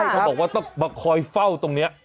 เขาบอกว่าต้องมาคอยเฝ้าตรงนี้